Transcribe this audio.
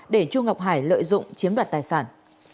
để chu ngọc hải lợi dụng chiếm đoạt tài sản